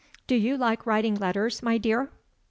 "Do you like writing letters, my dear?"